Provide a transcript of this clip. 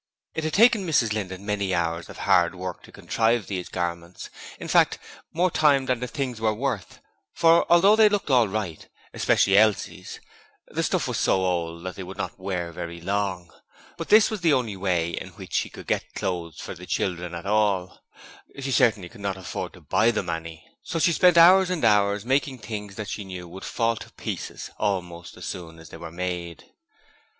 It had taken Mrs Linden many hours of hard work to contrive these garments; in fact, more time than the things were worth, for although they looked all right especially Elsie's the stuff was so old that it would not wear very long: but this was the only way in which she could get clothes for the children at all: she certainly could not afford to buy them any. So she spent hours and hours making things that she knew would fall to pieces almost as soon as they were made.